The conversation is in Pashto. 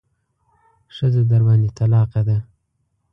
ښځه درباندې طلاقه ده.